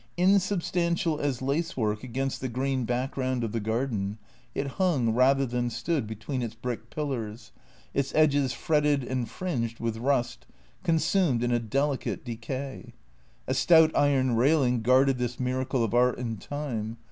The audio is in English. Insubstantial as lace work against the green background of the garden, it hung rather than stood between its brick pil lars, its edges fretted and fringed with rust, consumed in a del icate decay. A stout iron railing guarded this miracle of art and time.